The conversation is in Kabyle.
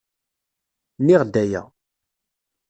Nniɣ-d aya.